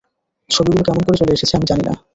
ছবিগুলো কেমন করে চলে এসেছে, আমি জানি না।